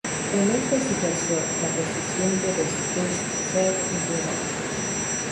En esta situación, la posición de Bestúzhev empeoró.